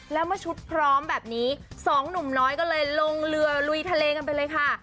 แล้วเมื่อชุดพร้อมแบบนี้สองหนุ่มน้อยก็เลยลงเรือลุยทะเลกันไปเลยค่ะ